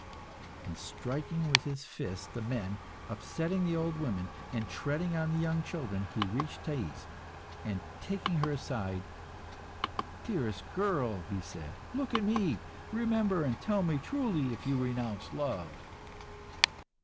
And striking with his fist the men, upsetting the old women and treading on the young children, he reached Thais, and taking her aside "Dearest girl," he said, "look at me, remember, and tell me truly if you renounce love."